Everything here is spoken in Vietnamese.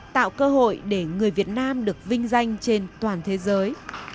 tạo cơ hội để người việt nam được vinh danh trên toàn thế giới